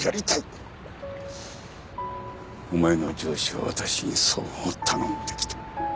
お前の上司は私にそう頼んできた。